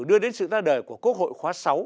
đưa đến sự ra đời của quốc hội khóa sáu